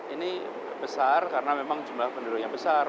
ini besar karena memang jumlah penduduknya besar